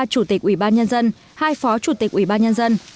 ba chủ tịch ủy ban nhân dân hai phó chủ tịch ủy ban nhân dân